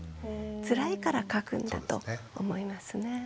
つらいから書くんだと思いますね。